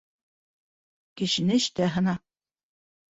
Кешене эштә һына.